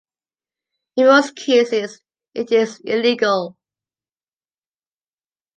In most cases, it is illegal.